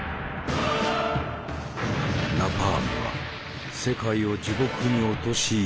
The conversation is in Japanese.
ナパームは世界を地獄に陥れてきた。